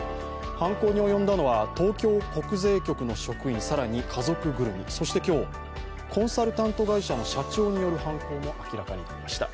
犯行に及んだのは東京国税局の職員更に家族ぐるみ、そして今日コンサルタント会社の社長による犯行も明らかになりました。